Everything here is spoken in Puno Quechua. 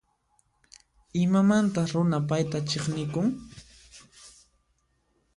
Imamantas runa payta chiqnikun?